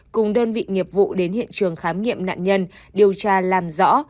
cùng đơn vị nghiệp vụ đến hiện trường khám nghiệm nạn nhân điều tra làm rõ